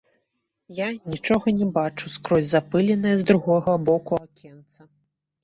Я нічога не бачу скрозь запыленае з другога боку акенца.